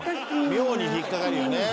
妙に引っかかるよね。